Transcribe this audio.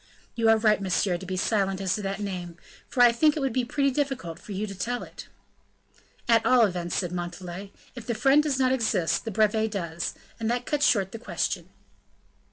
"You are right, monsieur, to be silent as to that name; for I think it would be pretty difficult for you to tell it." "At all events," said Montalais, "if the friend does not exist, the brevet does, and that cuts short the question."